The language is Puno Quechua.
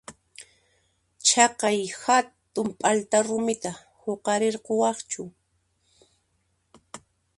Chaqay hatun p'alta rumita huqarirquwaqchu?